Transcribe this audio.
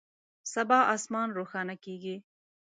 سبا اسمان روښانه کیږي